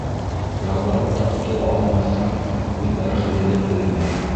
— Ялбарып та ҡотола алмаҫһың, мин рәхимлелек белмәйем.